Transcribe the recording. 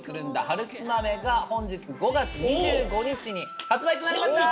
春玄鳥』が本日５月２５日に発売となりました！